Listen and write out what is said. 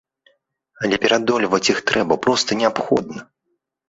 Але пераадольваць іх трэба, проста неабходна.